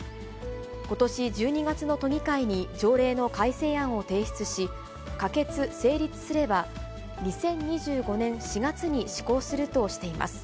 ことし１２月の都議会に、条例の改正案を提出し、可決・成立すれば、２０２５年４月に施行するとしています。